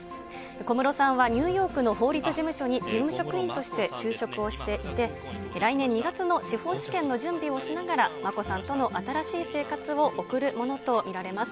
小室さんはニューヨークの法律事務所に、事務職員として就職をしていて、来年２月の司法試験の準備をしながら、眞子さんとの新しい生活を送るものと見られます。